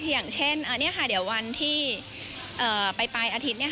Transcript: อย่างเช่นเดี๋ยววันที่ไปปลายอาทิตย์